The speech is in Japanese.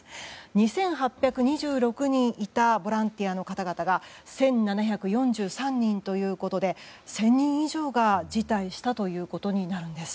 ２８２６人いたボランティアの方々が１７４３人ということで１０００人以上が辞退したことになるんです。